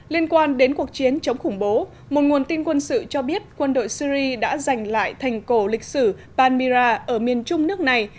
liên quan đến cuộc chiến chống khủng bố một nguồn tin quân sự cho biết quân đội syri đã giành lại thành cổ lịch sử panmira ở miền trung nước này